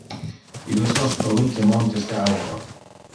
Illes nos promitte montes de auro.